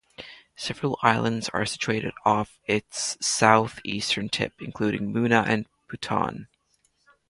Several islands are situated off its south-eastern tip, including Muna and Buton.